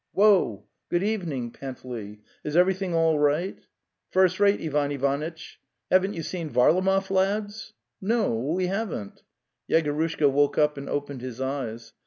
""Woa! Good evening, Panteley! Is _ every thing all right?" '* First rate, Ivan Ivanitch! "'" Haven't you seen Varlamov, lads?" '"'No, we haven't."' Yegorushka woke up and opened his eyes.